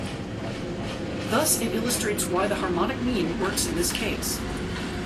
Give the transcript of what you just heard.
Thus it illustrates why the harmonic mean works in this case.